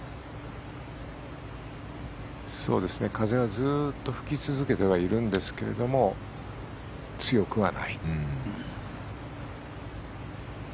風はずっと吹き続けてはいるんですけれども強くはない。